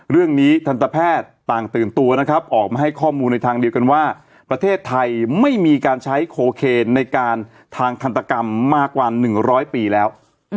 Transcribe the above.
ทันตแพทย์ต่างตื่นตัวนะครับออกมาให้ข้อมูลในทางเดียวกันว่าประเทศไทยไม่มีการใช้โคเคนในการทางทันตกรรมมากกว่า๑๐๐ปีแล้ว